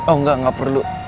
oh enggak enggak perlu